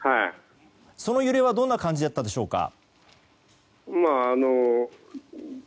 その揺れはどんな感じだったでしょうか。